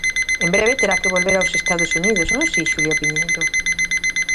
En breve terá que volver aos Estados Unidos, non si, Xulia Piñeiro?